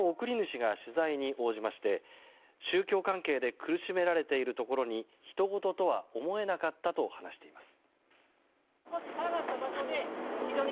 この送り主が取材に応じまして宗教関係で苦しめられているところにひとごととは思えなかったと話しています。